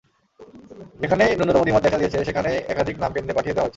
যেখানেই ন্যূনতম দ্বিমত দেখা দিয়েছে, সেখানেই একাধিক নাম কেন্দ্রে পাঠিয়ে দেওয়া হয়েছে।